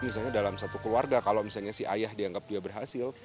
misalnya dalam satu keluarga kalau misalnya si ayah dianggap dia berhasil